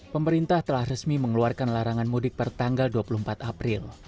pemerintah telah resmi mengeluarkan larangan mudik per tanggal dua puluh empat april